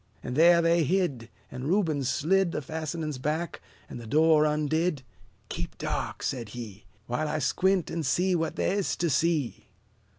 And there they hid; And Reuben slid The fastenings back, and the door undid. "Keep dark!" said he, "While I squint an' see what the' is to see."